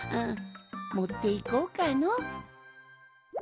もっていこうかの。